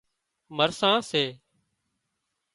مرسان سي